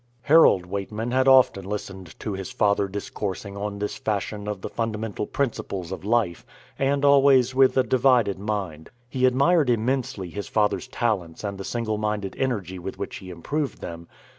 Harold Weightman had often listened to his father discoursing in this fashion on the fundamental principles of life, and always with a divided mind. He admired immensely his father's talents and the single minded energy with which he improved them.